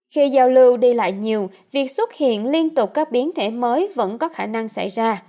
khi giao lưu đi lại nhiều việc xuất hiện liên tục các biến thể mới vẫn có khả năng xảy ra